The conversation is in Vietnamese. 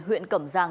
huyện cẩm giang